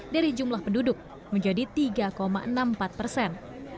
dari jumlah penduduk menjadi tiga enam puluh empat persen